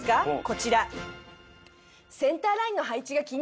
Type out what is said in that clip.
こちら。